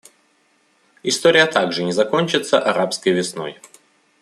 История также не закончится «арабской весной».